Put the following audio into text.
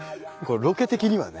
ロケ的にはね。